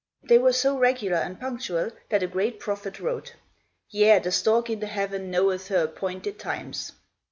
They were so regular and punctual, that a great prophet wrote: "Yea, the stork in the heaven knoweth her appointed times."